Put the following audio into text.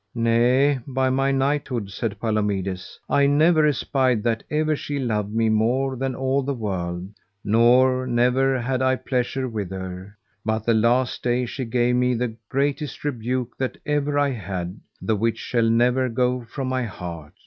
Nay, by my knighthood, said Palomides, I never espied that ever she loved me more than all the world, nor never had I pleasure with her, but the last day she gave me the greatest rebuke that ever I had, the which shall never go from my heart.